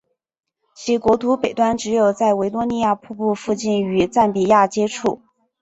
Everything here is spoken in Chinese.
其国土北端只有在维多利亚瀑布附近与赞比亚接触。